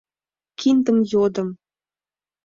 Киндым йодым.